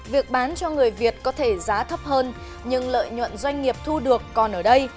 việc bán cho người việt có thể giá thấp hơn nhưng lợi nhuận doanh nghiệp thu được còn ở đây